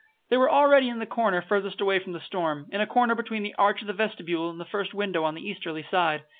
They were already in the corner farthest away from the storm in a corner between the arch of the vestibule and the first window on the easterly side.